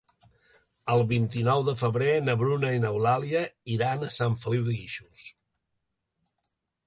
El vint-i-nou de febrer na Bruna i n'Eulàlia iran a Sant Feliu de Guíxols.